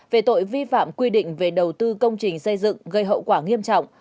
về tội vi phạm quy định về đầu tư công trình xây dựng gây hậu quả nghiêm trọng